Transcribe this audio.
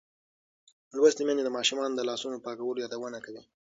لوستې میندې د ماشومانو د لاسونو پاکولو یادونه کوي.